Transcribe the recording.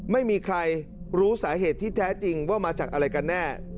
ไม่มีใครรู้สาเหตุที่แท้จริงว่ามาจากอะไรกันแน่